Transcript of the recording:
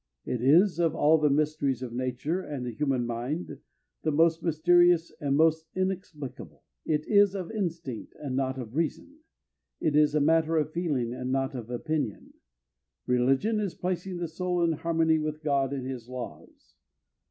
It is, of all the mysteries of nature and the human mind, the most mysterious and most inexplicable. It is of instinct, and not of reason. It is a matter of feeling, and not of opinion. Religion is placing the soul in harmony with God and his laws.